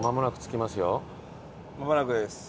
まもなくです。